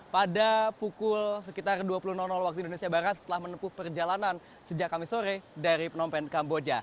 pada pukul sekitar dua puluh waktu indonesia barat setelah menempuh perjalanan sejak kamisore dari penompen kamboja